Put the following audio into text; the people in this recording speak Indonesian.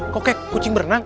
kok kayak kucing berenang